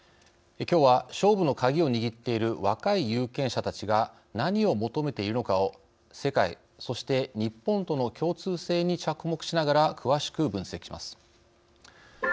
きょうは、勝負のカギをにぎっている若い有権者たちが何を求めているのかを世界、そして日本との共通性に着目しながら詳しく分析します。